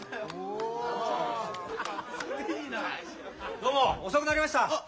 どうも遅くなりました！